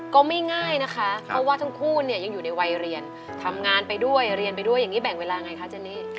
ก็ไม่ง่ายนะคะเพราะว่าทั้งคู่เนี่ยยังอยู่ในวัยเรียนทำงานไปด้วยเรียนไปด้วยอย่างนี้แบ่งเวลาไงคะเจนี่